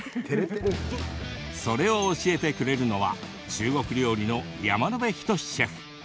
それを教えてくれるのは中国料理の山野辺仁シェフ。